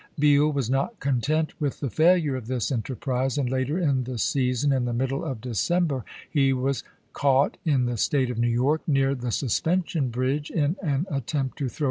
Beall was not content with the failure of this en terprise, and later in the season, in the middle of December, he was caught in the State of New York General near the Suspension Bridge in an attempt to throw Sa n!